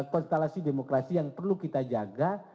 konstelasi demokrasi yang perlu kita jaga